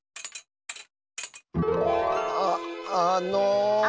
ああのう。